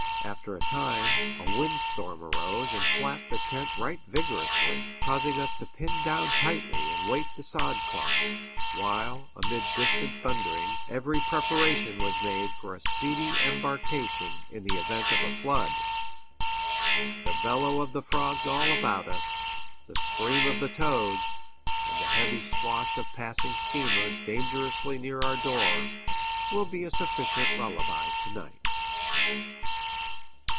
After a time, a wind storm arose and flapped the tent right vigorously, causing us to pin down tightly and weight the sod cloth; while, amid distant thundering, every preparation was made for a speedy embarkation in the event of flood. The bellow of the frogs all about us, the scream of toads, and the heavy swash of passing steamers dangerously near our door, will be a sufficient lullaby to night.